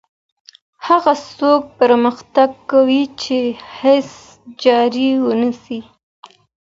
هغه څوک پرمختګ کوي چي هڅه جاري وساتي